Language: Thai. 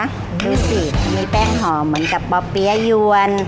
ดูสิมีแป้งหอมเหมือนกับป่อเปี๊ยะยวน